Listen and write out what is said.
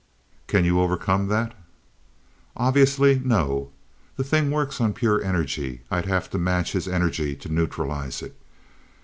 "Can you overcome that?" "Obviously, no. The thing works on pure energy. I'd have to match his energy to neutralize it.